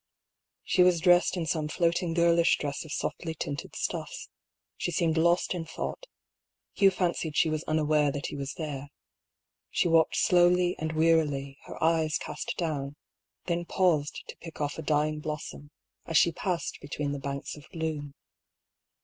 She was dressed in some floating girlish dress of MERCEDE& 201 softly tinted stnffs : she seemed lost in thought — Hugh fancied she was unaware that he was there : she walked slowly and wearily, her eyes cast down — then paused to pick off a dying blossom as she passed between the banks of bloom.